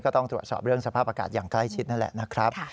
ต้องตรวจสอบเรื่องสภาพอากาศอย่างใกล้ชิดนั่นแหละนะครับ